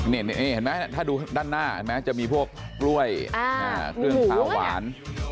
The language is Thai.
นี่เห็นมั้ยถ้าดูด้านหน้าเห็นมั้ยจะมีพวกกล้วยคืนคาวหวาน